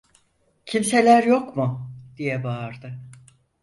"Kimseler yok mu?" diye bağırdı.